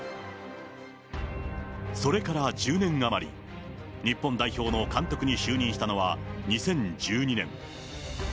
それから１０年余り、日本代表の監督に就任したのは２０１２年。